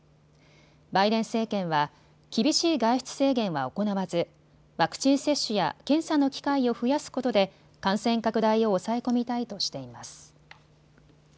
バイデン政権は厳しい外出制限は行わずワクチン接種や検査の機会を増やすことで感染拡大を抑え込みたいとしています。